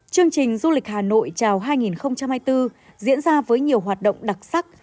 chương trình du lịch hà nội chào hai nghìn hai mươi bốn diễn ra với nhiều hoạt động đặc sắc